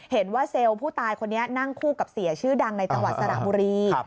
เซลล์ผู้ตายคนนี้นั่งคู่กับเสียชื่อดังในจังหวัดสระบุรี